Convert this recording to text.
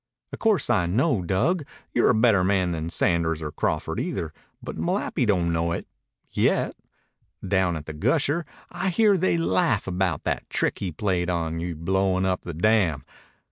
"O' course I know, Dug, you're a better man than Sanders or Crawford either, but Malapi don't know it yet. Down at the Gusher I hear they laugh about that trick he played on you blowin' up the dam.